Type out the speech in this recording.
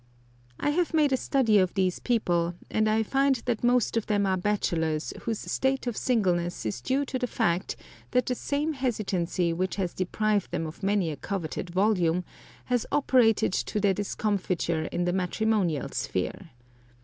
I have made a study of these people, and I find that most of them are bachelors whose state of singleness is due to the fact that the same hesitancy which has deprived them of many a coveted volume has operated to their discomfiture in the matrimonial sphere.